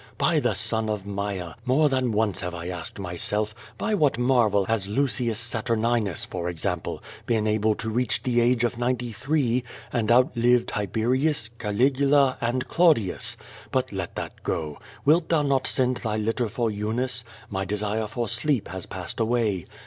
By the son of Maia, more than once have I asked myself: By what marvel has Lucius Sat urninus, for example, been able to reach the age of ninety three, and outlive Tiberius, Caligula, and Claudius? But let that go. Wilt thou not send thy litter for Eunice. My desire for sleep has passed away.